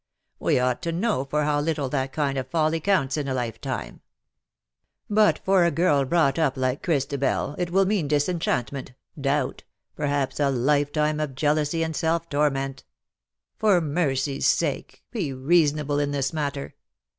We ought to know for how little that kind of folly counts in a lifetime. But for a girl brought up like Christabel it will mean disenchantment — doubt — perhaps a lifetime of jealousy and self torment. For mercy^s sake^ be reasonable in this matter